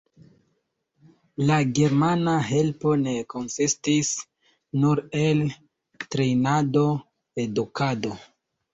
La germana helpo ne konsistis nur el trejnado, edukado.